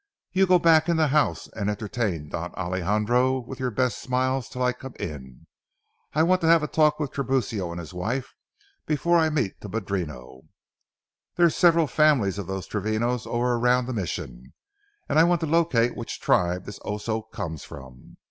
You go back in the house and entertain Don Alejandro with your best smiles till I come in. I want to have a talk with Tiburcio and his wife before I meet the padrino. There's several families of those Travinos over around the Mission and I want to locate which tribe this oso comes from.